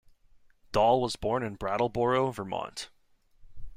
Dahl was born in Brattleboro, Vermont.